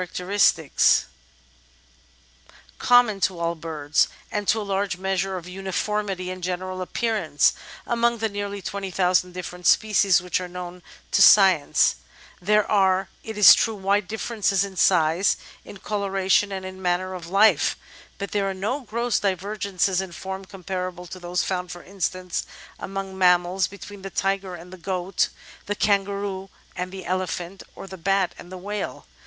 depressing pltna are tilted : it >' like ■ streak ol white light, plumb tc Natural Histoiy 403 common to all birds, and to a large measure of uniformity in general appearance among the nearly twenty thousand different species which are known to science ; there are, it is true, wide differ ences in size, in coloration, and in manner of life, but there are no gross divergences in form comparable to those found, for instance, among mammals — between the tiger and the goat, the kangaroo and the elephant, or the bat and the whale.